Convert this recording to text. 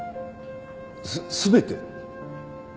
す全て？